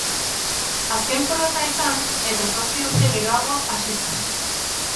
Azken porrota izan eta zazpi urte geroago hasi zen.